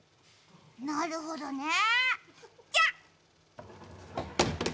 なるほどね、じゃっ。